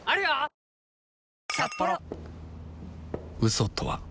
嘘とは